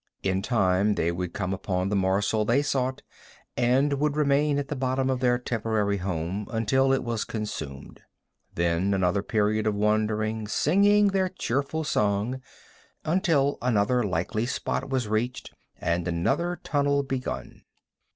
In time they would come upon the morsel they sought and would remain at the bottom of their temporary home until it was consumed. Then another period of wandering, singing their cheerful song, until another likely spot was reached and another tunnel begun.